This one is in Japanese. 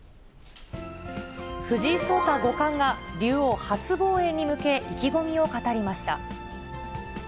藤井聡太五冠が、竜王初防衛に向け意気込みを語りました。